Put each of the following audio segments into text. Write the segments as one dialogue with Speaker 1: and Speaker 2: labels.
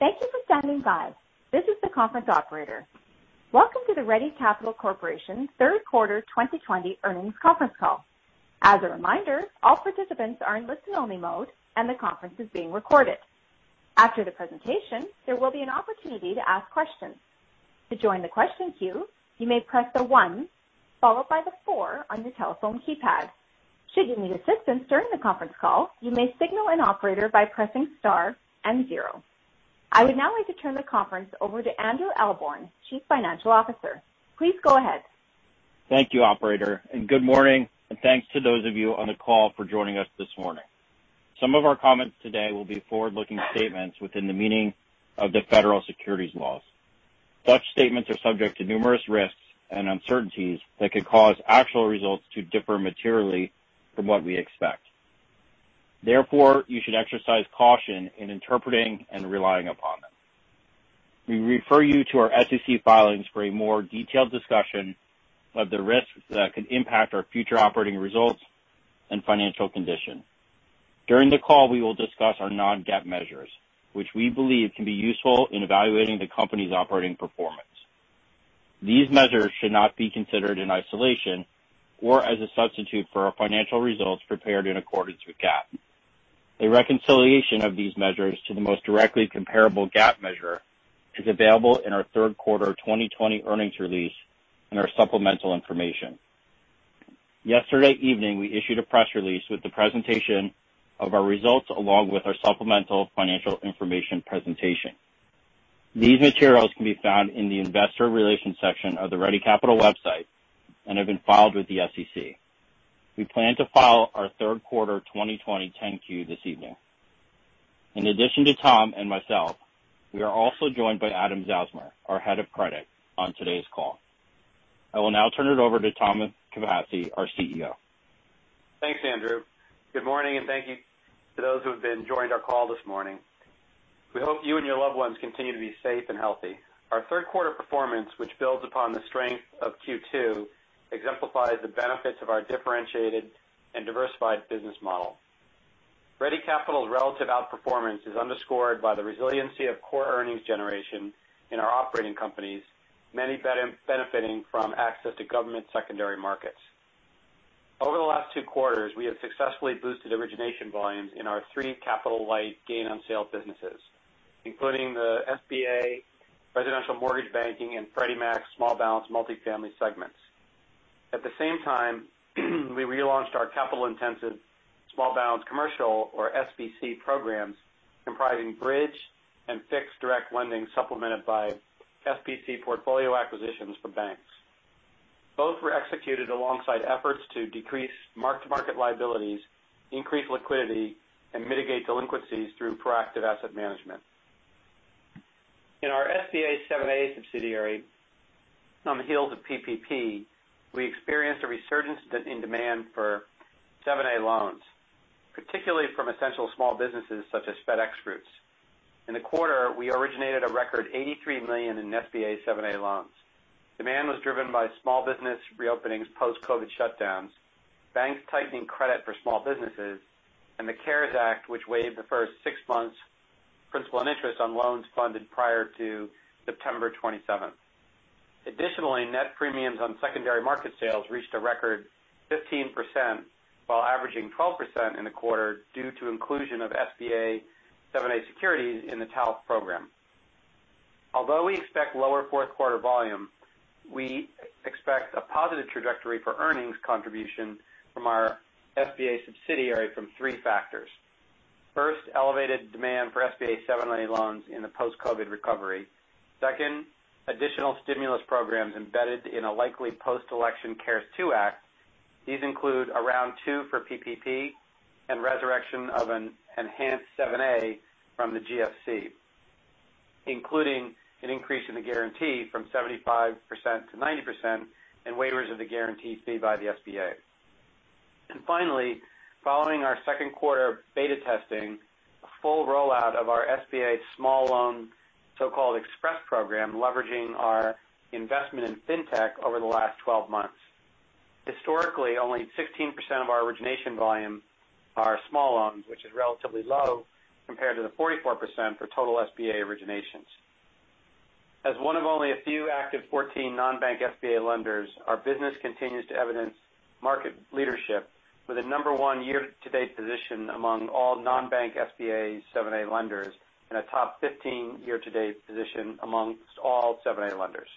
Speaker 1: Thank you for standing by. This is the conference operator. Welcome to the Ready Capital Corporation third quarter 2020 earnings conference call. As a reminder, all participants are in listen-only mode and the conference is being recorded. After the presentation, there will be an opportunity to ask questions. To join the question queue, you may press the one followed by the four on your telephone keypad. Should you need assistance during the conference call, you may signal an operator by pressing star and zero. I would now like to turn the conference over to Andrew Ahlborn, Chief Financial Officer. Please go ahead.
Speaker 2: Thank you, operator, good morning, and thanks to those of you on the call for joining us this morning. Some of our comments today will be forward-looking statements within the meaning of the federal securities laws. Such statements are subject to numerous risks and uncertainties that could cause actual results to differ materially from what we expect. Therefore, you should exercise caution in interpreting and relying upon them. We refer you to our SEC filings for a more detailed discussion of the risks that could impact our future operating results and financial condition. During the call, we will discuss our non-GAAP measures, which we believe can be useful in evaluating the company's operating performance. These measures should not be considered in isolation or as a substitute for our financial results prepared in accordance with GAAP. A reconciliation of these measures to the most directly comparable GAAP measure is available in our third quarter 2020 earnings release and our supplemental information. Yesterday evening, we issued a press release with the presentation of our results, along with our supplemental financial information presentation. These materials can be found in the investor relations section of the Ready Capital website and have been filed with the SEC. We plan to file our third quarter 2020 10-Q this evening. In addition to Tom and myself, we are also joined by Adam Zausmer, our Head of Credit, on today's call. I will now turn it over to Thomas Capasse, our CEO.
Speaker 3: Thanks, Andrew. Good morning, and thank you to those who have been joined our call this morning. We hope you and your loved ones continue to be safe and healthy. Our third quarter performance, which builds upon the strength of Q2, exemplifies the benefits of our differentiated and diversified business model. Ready Capital's relative outperformance is underscored by the resiliency of core earnings generation in our operating companies, many benefiting from access to government secondary markets. Over the last two quarters, we have successfully boosted origination volumes in our three capital-light gain-on-sale businesses, including the SBA, residential mortgage banking, and Freddie Mac small balance multifamily segments. At the same time, we relaunched our capital-intensive small balance commercial or SBC programs comprising bridge and fixed direct lending supplemented by SBC portfolio acquisitions from banks. Both were executed alongside efforts to decrease mark-to-market liabilities, increase liquidity, and mitigate delinquencies through proactive asset management. In our SBA 7 subsidiary, on the heels of PPP, we experienced a resurgence in demand for 7 loans, particularly from essential small businesses such as FedEx groups. In the quarter, we originated a record $83 million in SBA 7 loans. Demand was driven by small business reopenings post-COVID shutdowns, banks tightening credit for small businesses, and the CARES Act, which waived the first six months' principal and interest on loans funded prior to September 27th. Additionally, net premiums on secondary market sales reached a record 15%, while averaging 12% in the quarter due to inclusion of SBA 7 securities in the TALF program. Although we expect lower fourth quarter volume, we expect a positive trajectory for earnings contribution from our SBA subsidiary from three factors. First, elevated demand for SBA 7 loans in a post-COVID recovery. Second, additional stimulus programs embedded in a likely post-election CARES 2 Act. These include a round 2 for PPP and resurrection of an enhanced 7 from the GFC, including an increase in the guarantee from 75%-90% and waivers of the guarantee fee by the SBA. Finally, following our second quarter beta testing, a full rollout of our SBA small loan, so-called express program, leveraging our investment in fintech over the last 12 months. Historically, only 16% of our origination volume are small loans, which is relatively low compared to the 44% for total SBA originations. As one of only a few active 14 non-bank SBA lenders, our business continues to evidence market leadership with a number one year-to-date position among all non-bank SBA 7 lenders and a top 15 year-to-date position amongst all 7 lenders.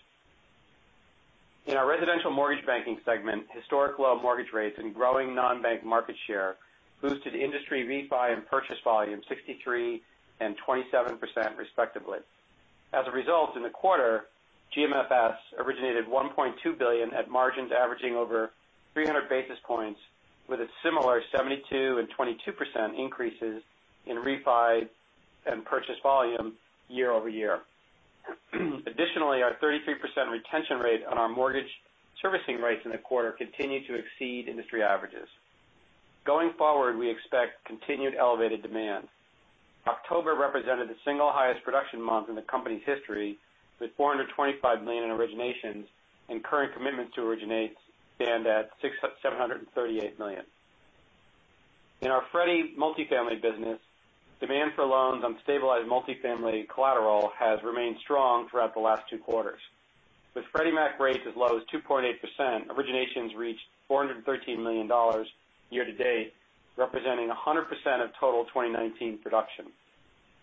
Speaker 3: In our residential mortgage banking segment, historic low mortgage rates and growing non-bank market share boosted industry refi and purchase volume 63% and 27% respectively. As a result, in the quarter, GMFS originated $1.2 billion at margins averaging over 300 basis points with a similar 72% and 22% increases in refi and purchase volume year-over-year. Additionally, our 33% retention rate on our mortgage servicing rights in the quarter continued to exceed industry averages. Going forward, we expect continued elevated demand. October represented the single highest production month in the company's history with $425 million in originations and current commitments to originate stand at $738 million. In our Freddie multifamily business, demand for loans on stabilized multifamily collateral has remained strong throughout the last two quarters. With Freddie Mac rates as low as 2.8%, originations reached $413 million year-to-date, representing 100% of total 2019 production.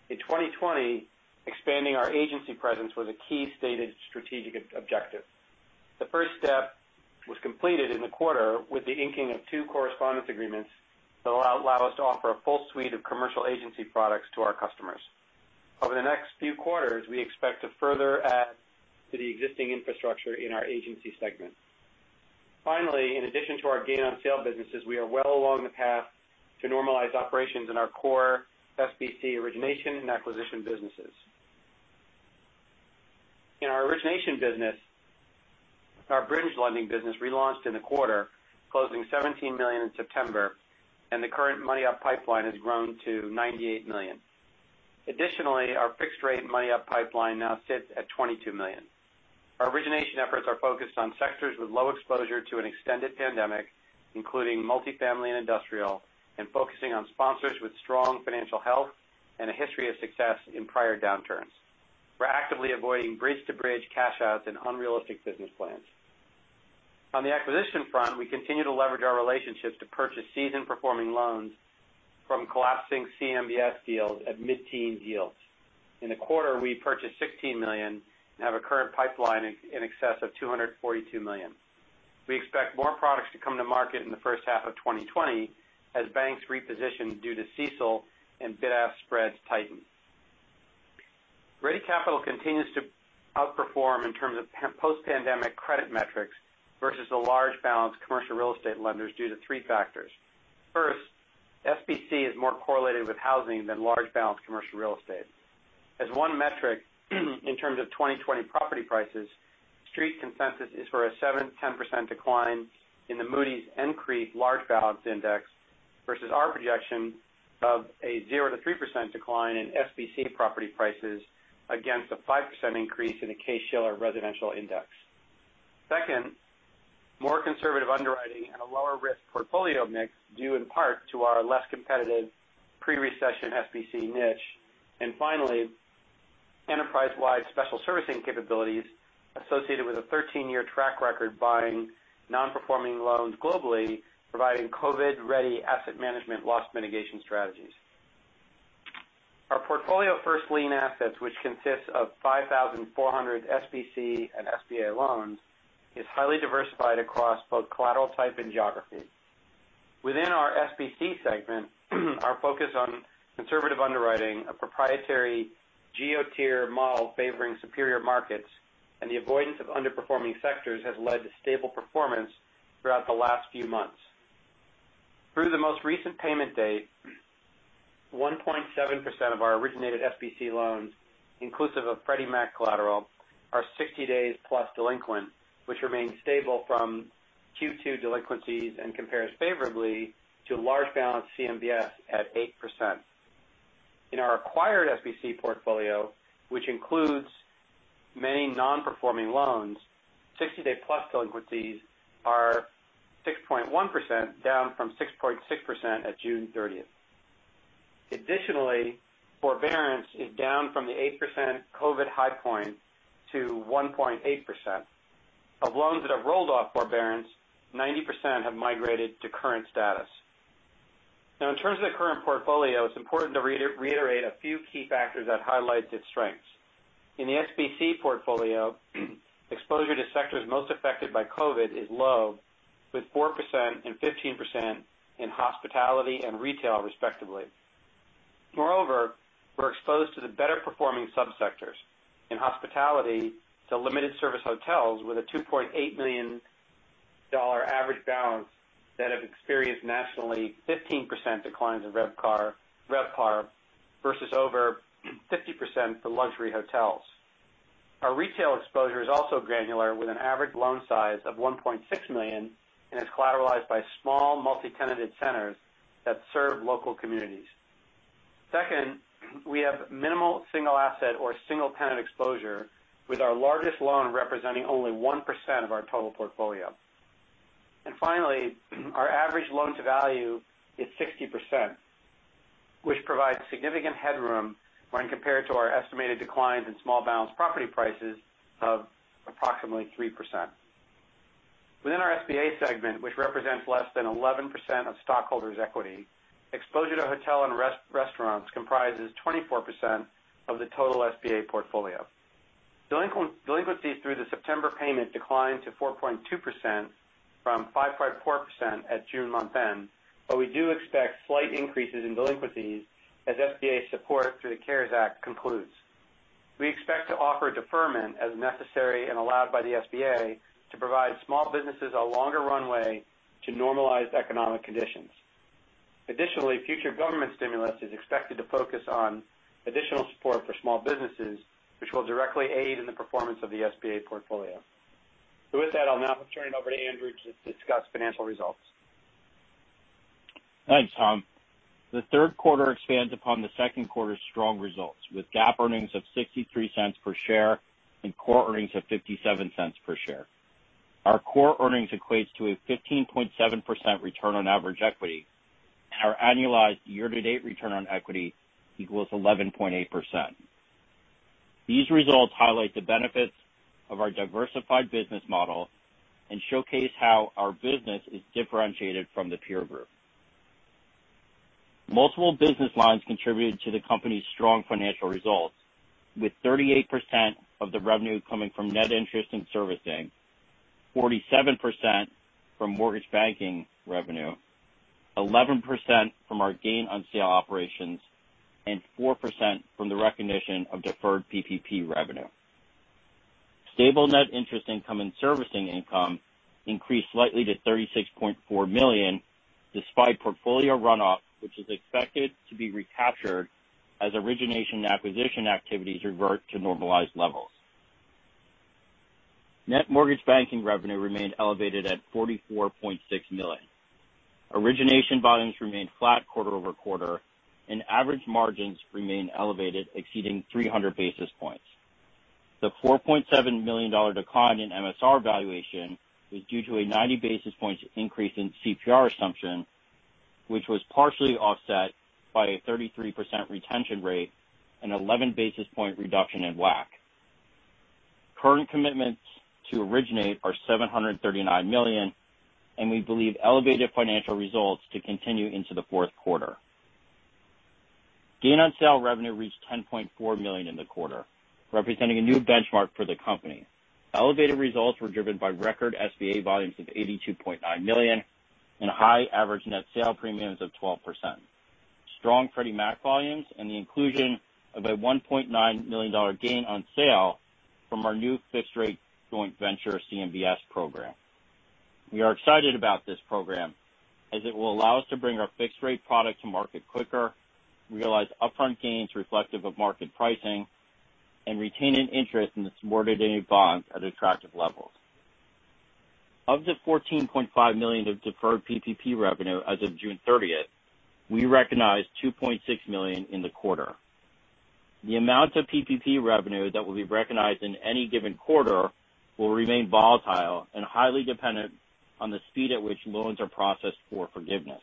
Speaker 3: In 2020, expanding our agency presence was a key stated strategic objective. The first step was completed in the quarter with the inking of two correspondence agreements that allow us to offer a full suite of commercial agency products to our customers. Over the next few quarters, we expect to further add to the existing infrastructure in our agency segment. Finally, in addition to our gain on sale businesses, we are well along the path to normalize operations in our core SBC origination and acquisition businesses. In our origination business, our bridge lending business relaunched in the quarter, closing $17 million in September, and the current money-up pipeline has grown to $98 million. Additionally, our fixed-rate money-up pipeline now sits at $22 million. Our origination efforts are focused on sectors with low exposure to an extended pandemic, including multifamily and industrial, and focusing on sponsors with strong financial health and a history of success in prior downturns. We're actively avoiding bridge-to-bridge cash-outs and unrealistic business plans. On the acquisition front, we continue to leverage our relationships to purchase season-performing loans from collapsing CMBS deals at mid-teen yields. In the quarter, we purchased $16 million and have a current pipeline in excess of $242 million. We expect more products to come to market in the first half of 2020 as banks reposition due to CECL and bid-ask spreads tighten. Ready Capital continues to outperform in terms of post-pandemic credit metrics versus the large balance commercial real estate lenders due to three factors. First, SBC is more correlated with housing than large balance commercial real estate. As one metric in terms of 2020 property prices, street consensus is for a 7%-10% decline in the Moody's NCREIF large balance index versus our projection of a 0%-3% decline in SBC property prices against a 5% increase in the Case-Shiller residential index. Second, more conservative underwriting and a lower-risk portfolio mix due in part to our less competitive pre-recession SBC niche. Finally, enterprise-wide special servicing capabilities associated with a 13-year track record buying non-performing loans globally, providing COVID-ready asset management loss mitigation strategies. Our portfolio first lien assets, which consists of 5,400 SBC and SBA loans, is highly diversified across both collateral type and geography. Within our SBC segment, our focus on conservative underwriting, a proprietary geo-tier model favoring superior markets, and the avoidance of underperforming sectors has led to stable performance throughout the last few months. Through the most recent payment date, 1.7% of our originated SBC loans, inclusive of Freddie Mac collateral, are 60-days-plus delinquent, which remains stable from Q2 delinquencies and compares favorably to large balance CMBS at 8%. In our acquired SBC portfolio, which includes many non-performing loans, 60-day-plus delinquencies are 6.1%, down from 6.6% at June 30th. Additionally, forbearance is down from the 8% COVID high point to 1.8%. Of loans that have rolled off forbearance, 90% have migrated to current status. Now, in terms of the current portfolio, it's important to reiterate a few key factors that highlight its strengths. In the SBC portfolio, exposure to sectors most affected by COVID is low, with 4% and 15% in hospitality and retail, respectively. Moreover, we're exposed to the better-performing subsectors. In hospitality, to limited service hotels with a $2.8 million average balance that have experienced nationally 15% declines in RevPAR versus over 50% for luxury hotels. Our retail exposure is also granular with an average loan size of $1.6 million and is collateralized by small multi-tenanted centers that serve local communities. Second, we have minimal single asset or single tenant exposure with our largest loan representing only 1% of our total portfolio. Finally, our average loan-to-value is 60%, which provides significant headroom when compared to our estimated declines in small balance property prices of approximately 3%. Within our SBA segment, which represents less than 11% of stockholders' equity, exposure to hotel and restaurants comprises 24% of the total SBA portfolio. Delinquencies through the September payment declined to 4.2% from 5.4% at June month end, but we do expect slight increases in delinquencies as SBA support through the CARES Act concludes. We expect to offer deferment as necessary and allowed by the SBA to provide small businesses a longer runway to normalized economic conditions. Additionally, future government stimulus is expected to focus on additional support for small businesses, which will directly aid in the performance of the SBA portfolio. With that, I'll now turn it over to Andrew to discuss financial results.
Speaker 2: Thanks, Tom. The third quarter expands upon the second quarter's strong results with GAAP earnings of $0.63 per share and core earnings of $0.57 per share. Our core earnings equates to a 15.7% return on average equity, and our annualized year-to-date return on equity equals 11.8%. These results highlight the benefits of our diversified business model and showcase how our business is differentiated from the peer group. Multiple business lines contributed to the company's strong financial results, with 38% of the revenue coming from net interest and servicing, 47% from mortgage banking revenue, 11% from our gain on sale operations, and 4% from the recognition of deferred PPP revenue. Stable net interest income and servicing income increased slightly to $36.4 million, despite portfolio runoff, which is expected to be recaptured as origination acquisition activities revert to normalized levels. Net mortgage banking revenue remained elevated at $44.6 million. Origination volumes remained flat quarter-over-quarter. Average margins remain elevated, exceeding 300 basis points. The $4.7 million decline in MSR valuation was due to a 90 basis points increase in CPR assumption, which was partially offset by a 33% retention rate and 11 basis points reduction in WAC. Current commitments to originate are $739 million. We believe elevated financial results to continue into the fourth quarter. Gain on sale revenue reached $10.4 million in the quarter, representing a new benchmark for the company. Elevated results were driven by record SBA volumes of $82.9 million and high average net sale premiums of 12%, strong Freddie Mac volumes and the inclusion of a $1.9 million gain on sale from our new fixed rate joint venture CMBS program. We are excited about this program as it will allow us to bring our fixed rate product to market quicker, realize upfront gains reflective of market pricing, and retain an interest in the subordinate bonds at attractive levels. Of the $14.5 million of deferred PPP revenue as of June 30th, we recognized $2.6 million in the quarter. The amount of PPP revenue that will be recognized in any given quarter will remain volatile and highly dependent on the speed at which loans are processed for forgiveness.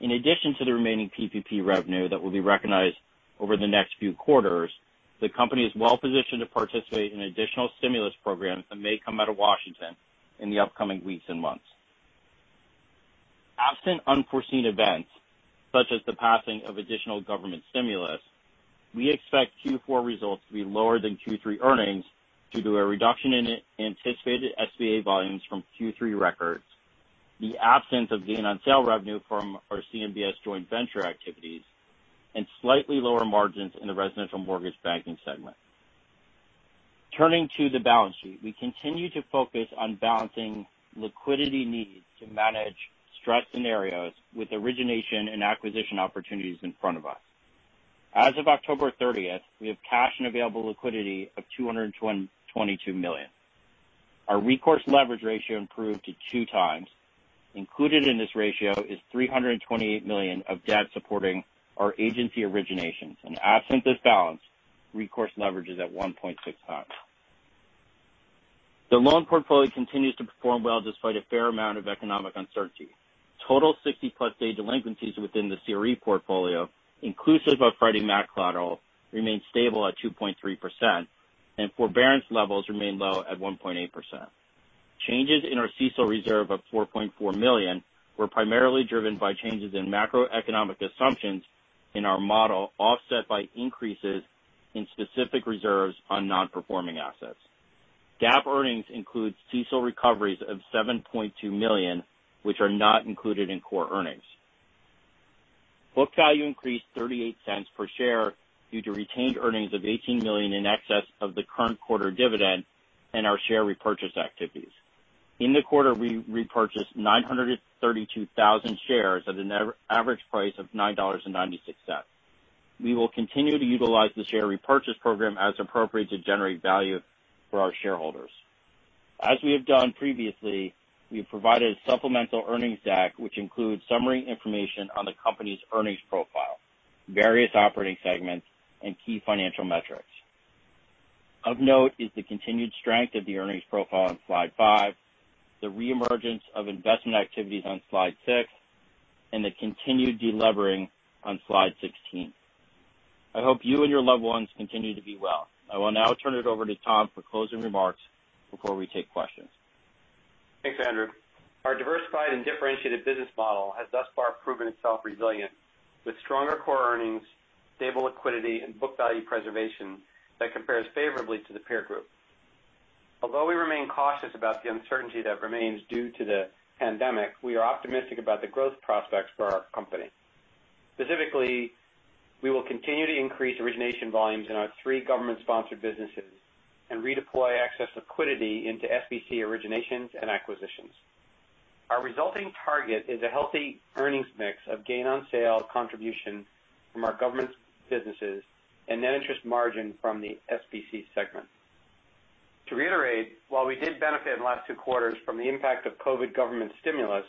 Speaker 2: In addition to the remaining PPP revenue that will be recognized over the next few quarters, the company is well positioned to participate in additional stimulus programs that may come out of Washington in the upcoming weeks and months. Absent unforeseen events, such as the passing of additional government stimulus, we expect Q4 results to be lower than Q3 earnings due to a reduction in anticipated SBA volumes from Q3 records, the absence of gain on sale revenue from our CMBS joint venture activities, and slightly lower margins in the residential mortgage banking segment. Turning to the balance sheet. We continue to focus on balancing liquidity needs to manage stress scenarios with origination and acquisition opportunities in front of us. As of October 30th, we have cash and available liquidity of $222 million. Our recourse leverage ratio improved to 2x. Included in this ratio is $328 million of debt supporting our agency originations. Absent this balance, recourse leverage is at 1.6x. The loan portfolio continues to perform well despite a fair amount of economic uncertainty. Total 60+ day delinquencies within the CRE portfolio, inclusive of Freddie Mac collateral, remained stable at 2.3%, and forbearance levels remained low at 1.8%. Changes in our CECL reserve of $4.4 million were primarily driven by changes in macroeconomic assumptions in our model, offset by increases in specific reserves on non-performing assets. GAAP earnings include CECL recoveries of $7.2 million, which are not included in core earnings. Book value increased $0.38 per share due to retained earnings of $18 million in excess of the current quarter dividend and our share repurchase activities. In the quarter, we repurchased 932,000 shares at an average price of $9.96. We will continue to utilize the share repurchase program as appropriate to generate value for our shareholders. As we have done previously, we have provided a supplemental earnings deck, which includes summary information on the company's earnings profile, various operating segments, and key financial metrics. Of note is the continued strength of the earnings profile on slide five, the re-emergence of investment activities on slide six, and the continued de-levering on slide 16. I hope you and your loved ones continue to be well. I will now turn it over to Tom for closing remarks before we take questions.
Speaker 3: Thanks, Andrew. Our diversified and differentiated business model has thus far proven itself resilient, with stronger core earnings, stable liquidity, and book value preservation that compares favorably to the peer group. Although we remain cautious about the uncertainty that remains due to the pandemic, we are optimistic about the growth prospects for our company. Specifically, we will continue to increase origination volumes in our three government-sponsored businesses and redeploy excess liquidity into SBC originations and acquisitions. Our resulting target is a healthy earnings mix of gain on sale contribution from our government businesses and net interest margin from the SBC segment. To reiterate, while we did benefit in the last two quarters from the impact of COVID government stimulus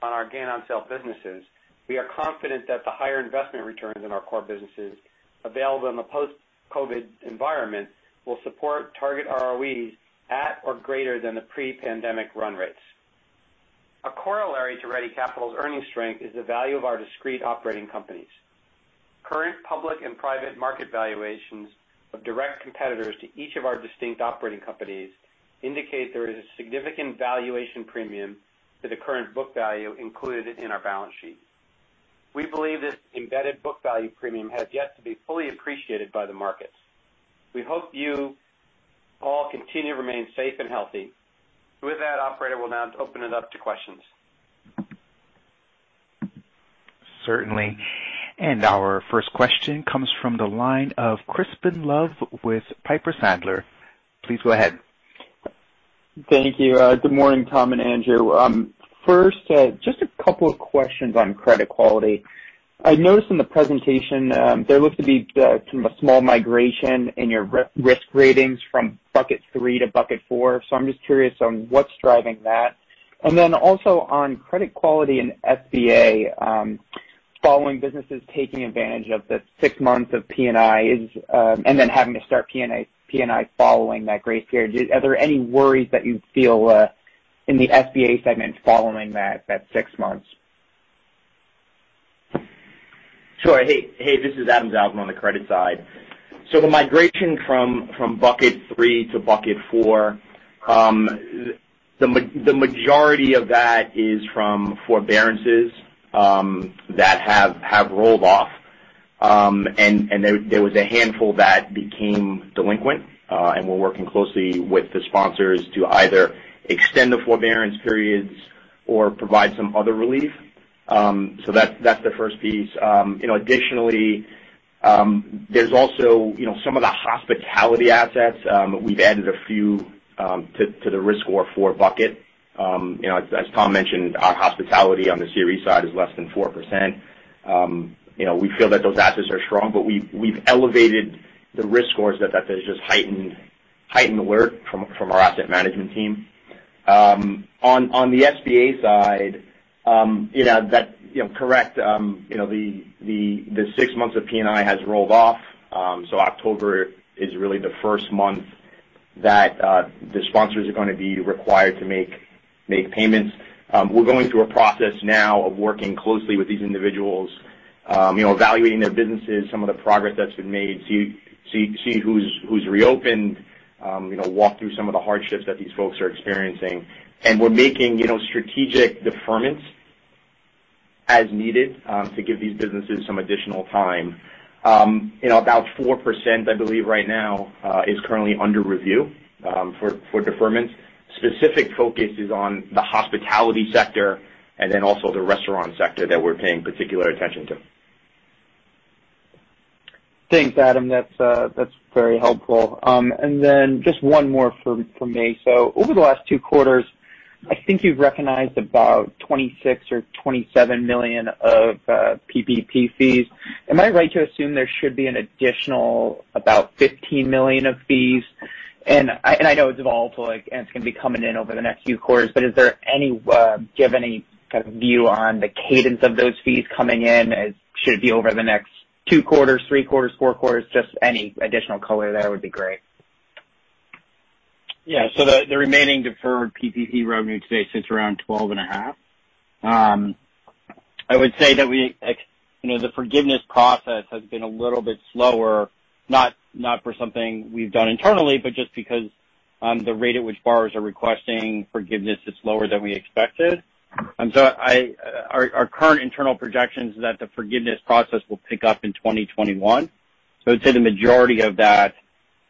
Speaker 3: on our gain-on-sale businesses, we are confident that the higher investment returns in our core businesses available in the post-COVID environment will support target ROEs at or greater than the pre-pandemic run rates. A corollary to Ready Capital's earnings strength is the value of our discrete operating companies. Current public and private market valuations of direct competitors to each of our distinct operating companies indicate there is a significant valuation premium to the current book value included in our balance sheet. We believe this embedded book value premium has yet to be fully appreciated by the markets. We hope you all continue to remain safe and healthy. With that, operator, we'll now open it up to questions.
Speaker 1: Certainly. Our first question comes from the line of Crispin Love with Piper Sandler. Please go ahead.
Speaker 4: Thank you. Good morning, Tom and Andrew. First, just a couple of questions on credit quality. I noticed in the presentation, there looks to be kind of a small migration in your risk ratings from Bucket 3 to Bucket 4. I'm just curious on what's driving that. Then also on credit quality and SBA, following businesses taking advantage of the six months of P&I and then having to start P&I following that grace period. Are there any worries that you feel in the SBA segment following that six months?
Speaker 5: Sure. Hey. This is Adam Zausmer on the credit side. The migration from Bucket 3 to Bucket 4, the majority of that is from forbearances that have rolled off. There was a handful that became delinquent. We're working closely with the sponsors to either extend the forbearance periods or provide some other relief. That's the first piece. Additionally, there's also some of the hospitality assets. We've added a few to the risk score 4 Bucket. As Tom mentioned, our hospitality on the CRE side is less than 4%. We feel that those assets are strong, but we've elevated the risk scores that there's just heightened alert from our asset management team. On the SBA side, correct. The six months of P&I has rolled off. October is really the first month that the sponsors are going to be required to make payments. We're going through a process now of working closely with these individuals, evaluating their businesses, some of the progress that's been made, see who's reopened, walk through some of the hardships that these folks are experiencing. We're making strategic deferments as needed to give these businesses some additional time. About 4%, I believe right now, is currently under review for deferment. Specific focus is on the hospitality sector and then also the restaurant sector that we're paying particular attention to.
Speaker 4: Thanks, Adam. That's very helpful. Then just one more from me. Over the last two quarters, I think you've recognized about $26 million or $27 million of PPP fees. Am I right to assume there should be an additional about $15 million of fees? I know it's evolved, and it's going to be coming in over the next few quarters. Do you have any kind of view on the cadence of those fees coming in? Should it be over the next two quarters, three quarters, four quarters? Just any additional color there would be great.
Speaker 2: Yeah. The remaining deferred PPP revenue today sits around $12.5. I would say that the forgiveness process has been a little bit slower, not for something we've done internally, but just because the rate at which borrowers are requesting forgiveness is lower than we expected. Our current internal projection is that the forgiveness process will pick up in 2021. I'd say the majority of that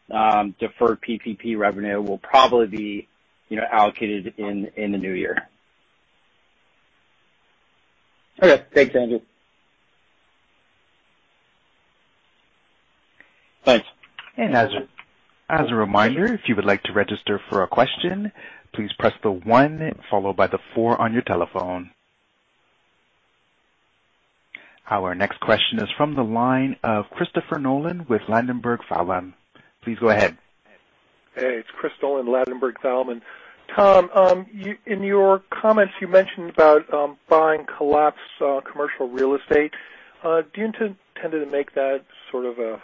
Speaker 2: deferred PPP revenue will probably be allocated in the new year.
Speaker 4: Okay. Thanks, Andrew.
Speaker 2: Thanks.
Speaker 1: As a reminder, if you would like to register for a question, please press the one followed by the four on your telephone. Our next question is from the line of Christopher Nolan with Ladenburg Thalmann. Please go ahead.
Speaker 6: Hey. It's Chris Nolan, Ladenburg Thalmann. Tom, in your comments, you mentioned about buying collapsed commercial real estate. Do you intend to make that sort of a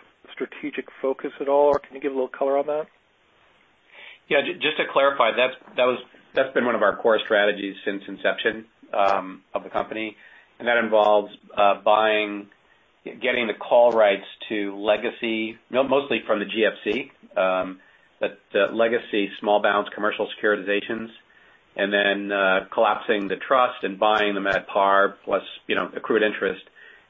Speaker 6: strategic focus at all, or can you give a little color on that?
Speaker 3: Yeah. Just to clarify, that's been one of our core strategies since inception of the company. That involves getting the call rights to legacy, mostly from the GFC, but legacy small balance commercial securitizations, and then collapsing the trust and buying them at par plus accrued interest,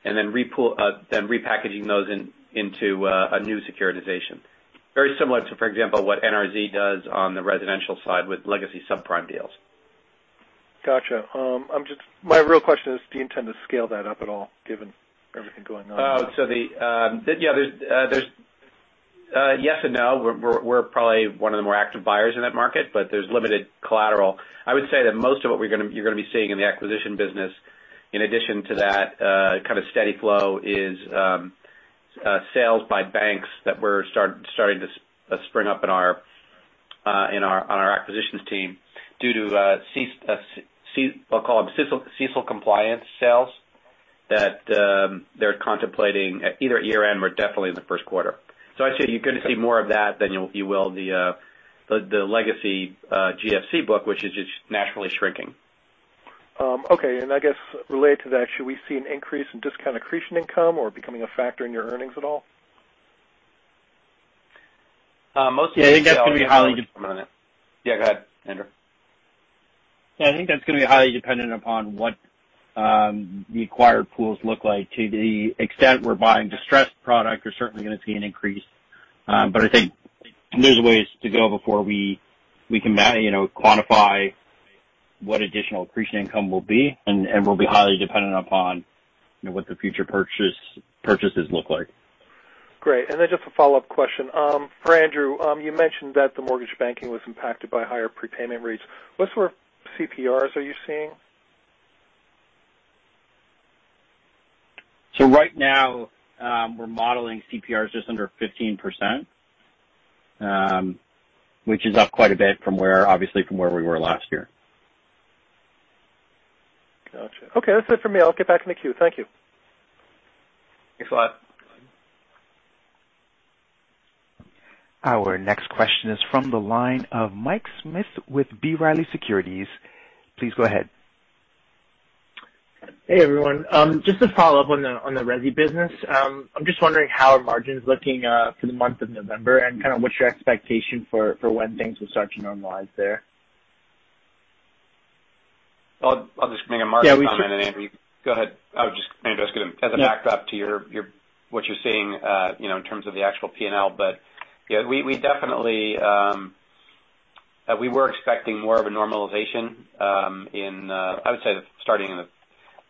Speaker 3: and then repackaging those into a new securitization. Very similar to, for example, what NRZ does on the residential side with legacy subprime deals.
Speaker 6: Got you. My real question is, do you intend to scale that up at all given everything going on?
Speaker 3: Yes and no. We're probably one of the more active buyers in that market, but there's limited collateral. I would say that most of what you're going to be seeing in the acquisition business, in addition to that kind of steady flow, is sales by banks that we're starting to spring up in our acquisitions team due to, I'll call them CECL compliance sales that they're contemplating either year-end or definitely in the first quarter. I'd say you're going to see more of that than you will the legacy GFC book, which is just naturally shrinking.
Speaker 6: Okay. I guess related to that, should we see an increase in discount accretion income or becoming a factor in your earnings at all?
Speaker 3: Most of it-
Speaker 2: Yeah, I think that's going to be highly.
Speaker 3: Yeah, go ahead, Andrew.
Speaker 2: Yeah, I think that's going to be highly dependent upon what the acquired pools look like. To the extent we're buying distressed product, we're certainly going to see an increase. I think there's a ways to go before we can quantify what additional accretion income will be, and will be highly dependent upon what the future purchases look like.
Speaker 6: Great. Just a follow-up question. For Andrew, you mentioned that the mortgage banking was impacted by higher prepayment rates. What sort of CPRs are you seeing?
Speaker 2: Right now, we're modeling CPRs just under 15%, which is up quite a bit obviously from where we were last year.
Speaker 6: Got you. Okay, that's it for me. I'll get back in the queue. Thank you.
Speaker 3: Thanks a lot.
Speaker 1: Our next question is from the line of Mike Smith with B. Riley Securities. Please go ahead.
Speaker 7: Hey, everyone. Just to follow up on the resi business. I'm just wondering how are margins looking for the month of November and kind of what's your expectation for when things will start to normalize there?
Speaker 3: I'll just make a market comment.
Speaker 2: Yeah.
Speaker 3: Then Andrew, you go ahead. Andrew, as a backdrop to what you're seeing in terms of the actual P&L. Yeah, we were expecting more of a normalization in, I would say, starting in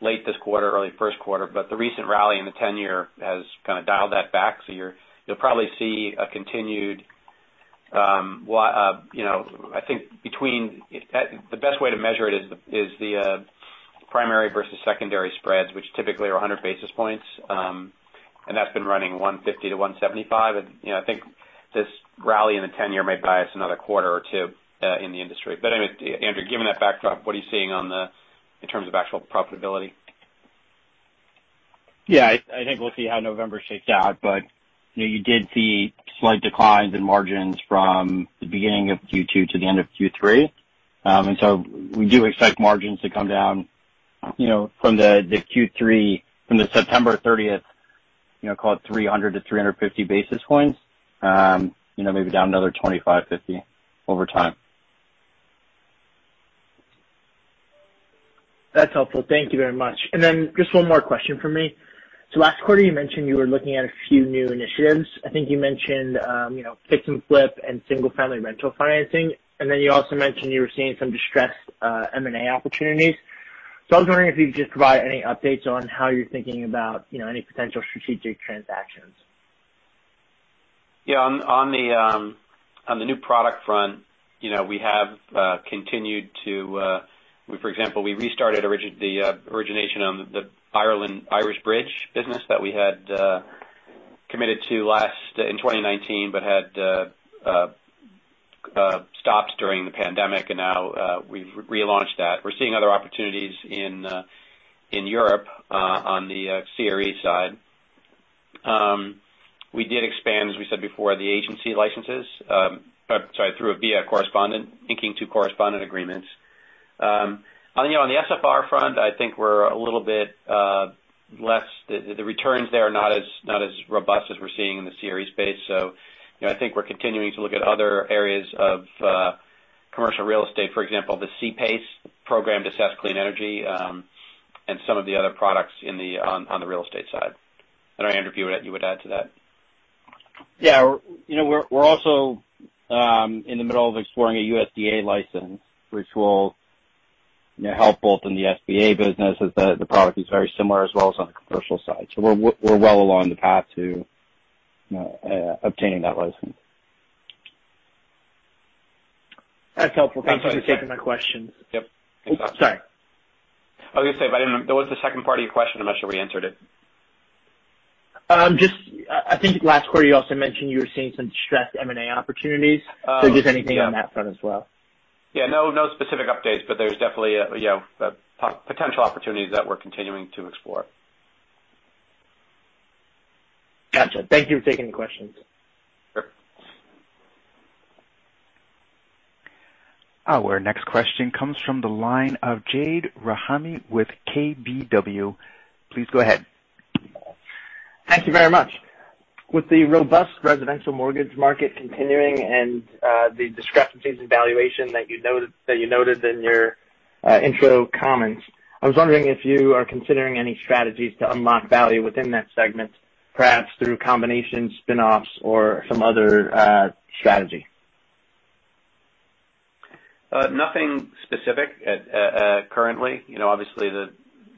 Speaker 3: late this quarter, early first quarter. The recent rally in the 10-year has kind of dialed that back. You'll probably see I think the best way to measure it is the primary versus secondary spreads, which typically are 100 basis points. That's been running 150-175 basis points. I think this rally in the 10-year may buy us another quarter or two in the industry. Anyway, Andrew, given that backdrop, what are you seeing in terms of actual profitability?
Speaker 2: Yeah, I think we'll see how November shakes out, but you did see slight declines in margins from the beginning of Q2 to the end of Q3. We do expect margins to come down from the Q3, from the September 30th, call it 300-350 basis points. Maybe down another 25, 50 over time.
Speaker 7: That's helpful. Thank you very much. Just one more question from me. Last quarter you mentioned you were looking at a few new initiatives. I think you mentioned fix and flip and single-family rental financing, you also mentioned you were seeing some distressed M&A opportunities. I was wondering if you could just provide any updates on how you're thinking about any potential strategic transactions.
Speaker 3: On the new product front, we have continued. For example, we restarted the origination on the Irish bridge business that we had committed to in 2019 but had stopped during the pandemic, and now we've relaunched that. We're seeing other opportunities in Europe on the CRE side. We did expand, as we said before, the agency licenses. Sorry, via correspondent, inking two correspondent agreements. On the SFR front, I think we're a little bit less. The returns there are not as robust as we're seeing in the CRE space. I think we're continuing to look at other areas of commercial real estate. For example, the C-PACE program to assess clean energy and some of the other products on the real estate side. I know Andrew, you would add to that.
Speaker 2: Yeah. We're also in the middle of exploring a USDA license, which will help both in the SBA business as the product is very similar as well as on the commercial side. We're well along the path to obtaining that license.
Speaker 7: That's helpful. Thank you for taking my questions.
Speaker 3: Yep.
Speaker 7: Sorry.
Speaker 3: I was going to say, there was the second part of your question. I'm not sure we answered it.
Speaker 7: I think last quarter you also mentioned you were seeing some distressed M&A opportunities. Just anything on that front as well.
Speaker 3: Yeah, no specific updates but there's definitely potential opportunities that we're continuing to explore.
Speaker 7: Got you. Thank you for taking the questions.
Speaker 3: Sure.
Speaker 1: Our next question comes from the line of Jade Rahmani with KBW. Please go ahead.
Speaker 8: Thank you very much. With the robust residential mortgage market continuing and the discrepancies in valuation that you noted in your intro comments, I was wondering if you are considering any strategies to unlock value within that segment, perhaps through combinations, spin-offs or some other strategy.
Speaker 3: Nothing specific currently. Obviously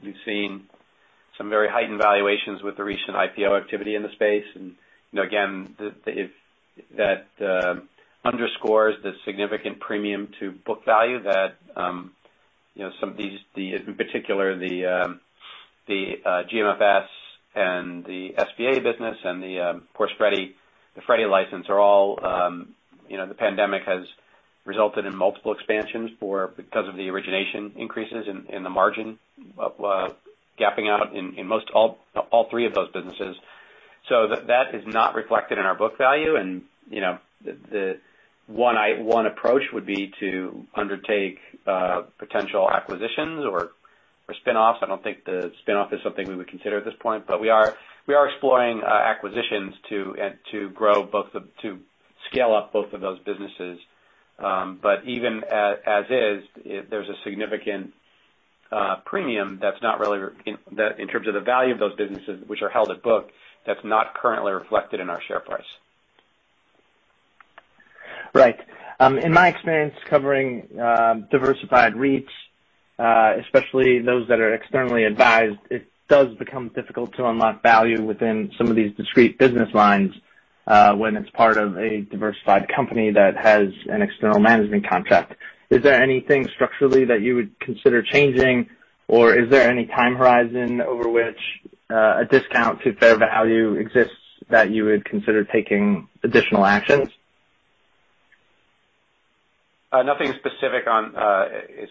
Speaker 3: we've seen some very heightened valuations with the recent IPO activity in the space, and again, that underscores the significant premium to book value that, in particular, the GMFS and the SBA business and the, of course, Freddie, the Freddie license. The pandemic has resulted in multiple expansions because of the origination increases in the margin gapping out in all three of those businesses. That is not reflected in our book value. One approach would be to undertake potential acquisitions or spinoffs. I don't think the spinoff is something we would consider at this point, but we are exploring acquisitions to scale up both of those businesses. Even as is, there's a significant premium in terms of the value of those businesses, which are held at book, that's not currently reflected in our share price.
Speaker 8: Right. In my experience covering diversified REITs, especially those that are externally advised, it does become difficult to unlock value within some of these discrete business lines when it's part of a diversified company that has an external management contract. Is there anything structurally that you would consider changing, or is there any time horizon over which a discount to fair value exists that you would consider taking additional actions?
Speaker 3: Nothing specific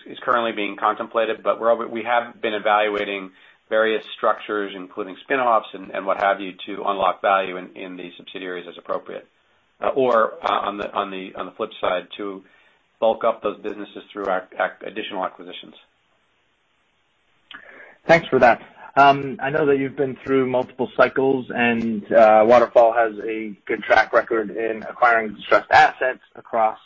Speaker 3: is currently being contemplated, but we have been evaluating various structures, including spinoffs and what have you, to unlock value in the subsidiaries as appropriate. On the flip side, to bulk up those businesses through additional acquisitions.
Speaker 8: Thanks for that. I know that you've been through multiple cycles and Waterfall has a good track record in acquiring distressed assets across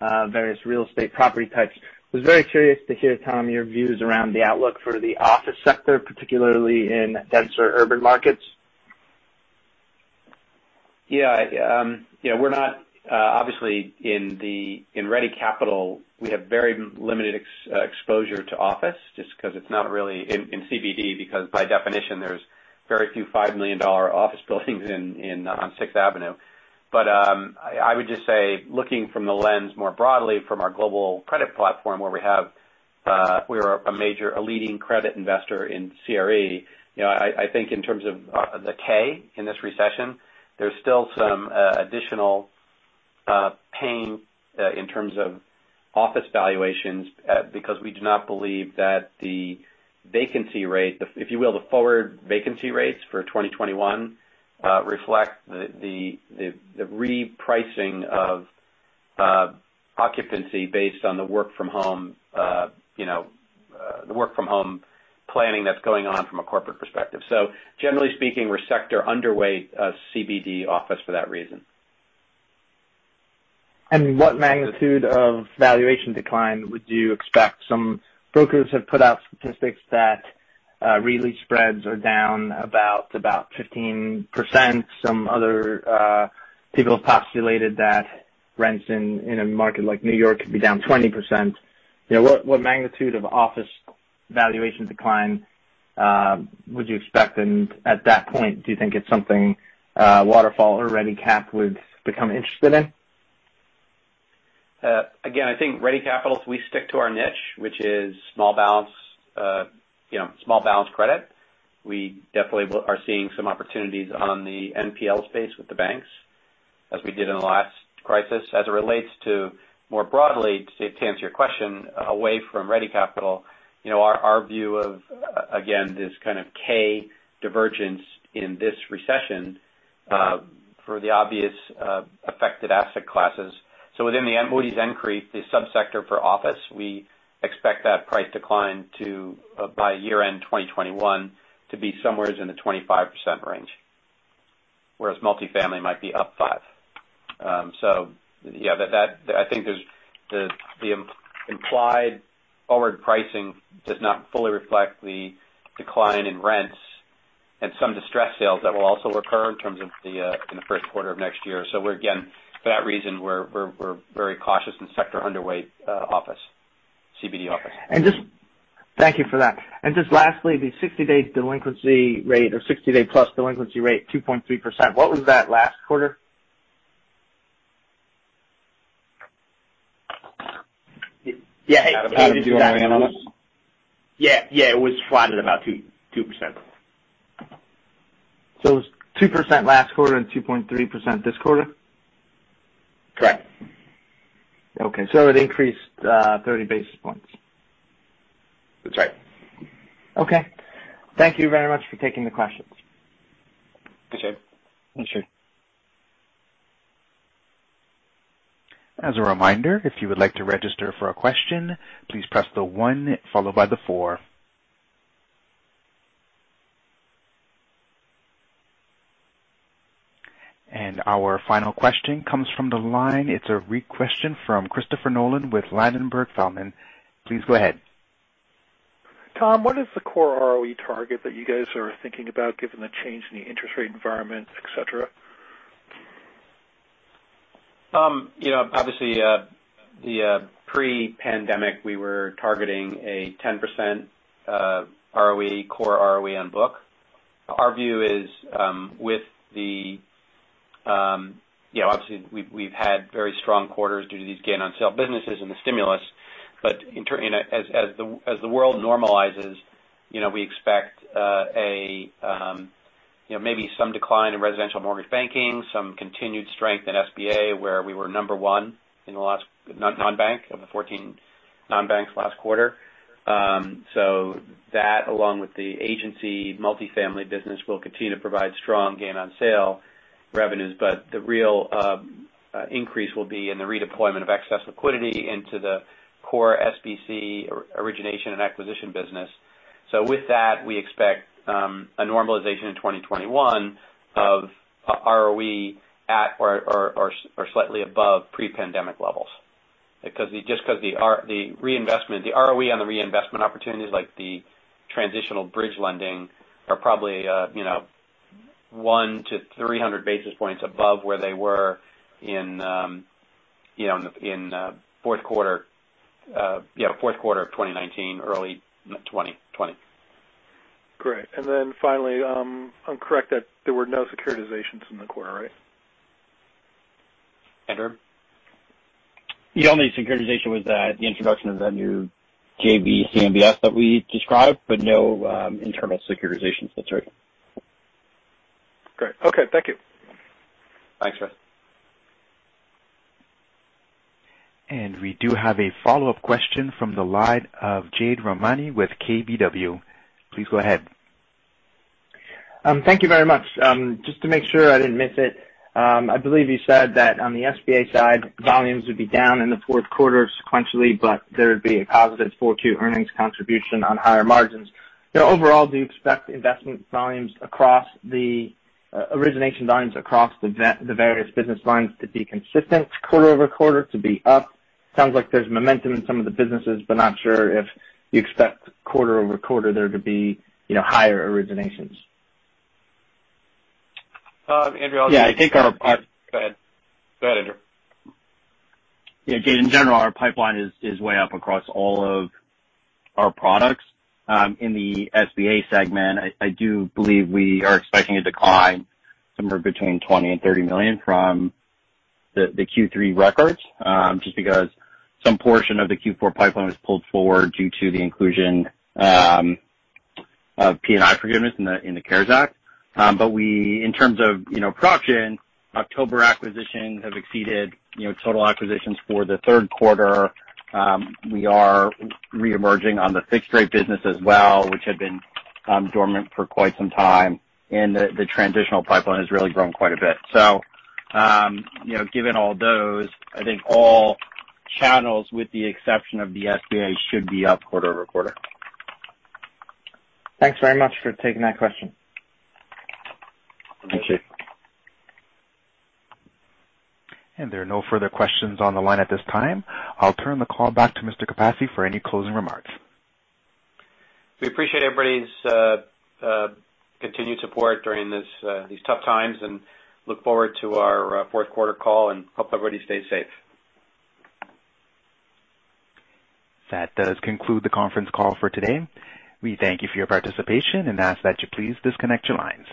Speaker 8: various real estate property types. I was very curious to hear, Tom, your views around the outlook for the office sector, particularly in denser urban markets.
Speaker 3: Yeah. Obviously in Ready Capital, we have very limited exposure to office just because it's not really in CBD because by definition there's very few $5 million office buildings on 6th Avenue. I would just say looking from the lens more broadly from our global credit platform where we are a leading credit investor in CRE. I think in terms of the K in this recession, there's still some additional pain in terms of office valuations because we do not believe that the vacancy rate, if you will, the forward vacancy rates for 2021 reflect the repricing of occupancy based on the work from home planning that's going on from a corporate perspective. Generally speaking, we're sector underweight CBD office for that reason.
Speaker 8: What magnitude of valuation decline would you expect? Some brokers have put out statistics that re-lease spreads are down about 15%. Some other people have postulated that rents in a market like New York could be down 20%. What magnitude of office valuation decline would you expect? At that point, do you think it's something Waterfall or Ready Capital would become interested in?
Speaker 3: I think Ready Capital, we stick to our niche, which is small balance credit. We definitely are seeing some opportunities on the NPL space with the banks as we did in the last crisis. As it relates to more broadly, to answer your question away from Ready Capital, our view of, again, this kind of K divergence in this recession for the obvious affected asset classes. Within the Moody's NCREIF, the sub-sector for office, we expect that price decline by year-end 2021 to be somewhere in the 25% range, whereas multifamily might be up five. Yeah, I think the implied forward pricing does not fully reflect the decline in rents and some distressed sales that will also occur in terms of in the first quarter of next year. Again, for that reason, we're very cautious and sector underweight CBD office.
Speaker 8: Thank you for that. Just lastly, the 60-day delinquency rate or 60-day plus delinquency rate, 2.3%. What was that last quarter?
Speaker 3: Yeah. Adam, do you want to handle this?
Speaker 5: Yeah. It was flat at about 2%.
Speaker 8: It was 2% last quarter and 2.3% this quarter?
Speaker 3: Correct.
Speaker 5: Okay. It increased 30 basis points.
Speaker 3: That's right.
Speaker 8: Okay. Thank you very much for taking the questions.
Speaker 3: Appreciate it.
Speaker 8: Thank you.
Speaker 1: As a reminder, if you would like to register for a question, please press the one followed by the four. Our final question comes from the line. It's a re-question from Christopher Nolan with Ladenburg Thalmann. Please go ahead.
Speaker 6: Tom, what is the core ROE target that you guys are thinking about given the change in the interest rate environment, et cetera?
Speaker 3: Pre-pandemic we were targeting a 10% core ROE on book. Our view is we've had very strong quarters due to these gain on sale businesses and the stimulus, as the world normalizes, we expect maybe some decline in residential mortgage banking, some continued strength in SBA, where we were number one non-bank of the 14 non-banks last quarter. That, along with the agency multifamily business, will continue to provide strong gain on sale revenues. The real increase will be in the redeployment of excess liquidity into the core SBC origination and acquisition business. With that, we expect a normalization in 2021 of ROE at or slightly above pre-pandemic levels. Just because the ROE on the reinvestment opportunities like the transitional bridge lending are probably 1-300 basis points above where they were in fourth quarter of 2019, early 2020.
Speaker 6: Great. Then finally, I'm correct that there were no securitizations in the quarter, right?
Speaker 3: Andrew?
Speaker 2: The only securitization was the introduction of that new JV CMBS that we described, but no internal securitizations. That's right.
Speaker 6: Great. Okay. Thank you.
Speaker 3: Thanks, Chris.
Speaker 1: We do have a follow-up question from the line of Jade Rahmani with KBW. Please go ahead.
Speaker 8: Thank you very much. Just to make sure I didn't miss it. I believe you said that on the SBA side, volumes would be down in the fourth quarter sequentially, but there would be a positive four Q earnings contribution on higher margins. Overall, do you expect origination volumes across the various business lines to be consistent quarter-over-quarter to be up? Sounds like there's momentum in some of the businesses, not sure if you expect quarter-over-quarter there to be higher originations.
Speaker 3: Andrew, I'll take that.
Speaker 2: Yeah.
Speaker 3: Go ahead, Andrew.
Speaker 2: Jade, in general, our pipeline is way up across all of our products. In the SBA segment, I do believe we are expecting a decline somewhere between $20 million-$30 million from the Q3 records, just because some portion of the Q4 pipeline was pulled forward due to the inclusion of P&I forgiveness in the CARES Act. In terms of production, October acquisitions have exceeded total acquisitions for the third quarter. We are reemerging on the fixed rate business as well, which had been dormant for quite some time, and the transitional pipeline has really grown quite a bit. Given all those, I think all channels, with the exception of the SBA, should be up quarter-over-quarter.
Speaker 8: Thanks very much for taking that question.
Speaker 2: Thank you.
Speaker 1: There are no further questions on the line at this time. I'll turn the call back to Mr. Capasse for any closing remarks.
Speaker 3: We appreciate everybody's continued support during these tough times, and look forward to our fourth quarter call, and hope everybody stays safe.
Speaker 1: That does conclude the conference call for today. We thank you for your participation and ask that you please disconnect your line.